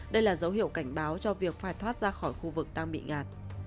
đây là dấu hiệu cảnh báo cho việc phai thoát ra khỏi khu vực đang bị ngạt